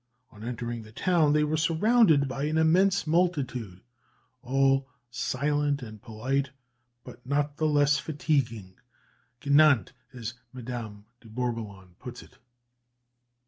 On entering the town, they were surrounded by an immense multitude, all silent and polite, but not the less fatiguing gênant, as Madame de Bourboulon puts it.